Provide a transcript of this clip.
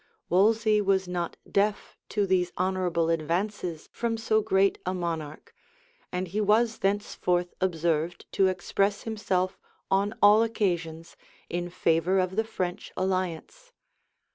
Wolsey was not deaf to these honorable advances from so great a monarch and he was thenceforth observed to express himself, on all occasions, in favor of the French alliance.